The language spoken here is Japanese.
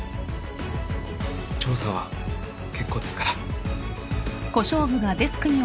調査は結構ですから。